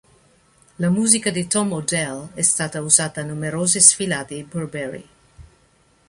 La musica di Tom Odell è stata usata a numerose sfilate Burberry.